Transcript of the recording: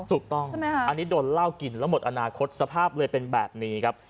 ถูกต้องอันนี้โดนเหล้ากินแล้วหมดอนาคตสภาพเลยเป็นแบบนี้ครับ